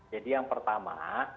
jadi yang pertama